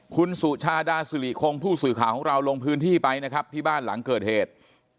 คุณสุชาดาสิริคงผู้สื่อข่าวของเราลงพื้นที่ไปนะครับที่บ้านหลังเกิดเหตุ